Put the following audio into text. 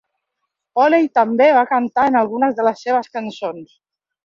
Poley també va cantar en algunes de les seves cançons.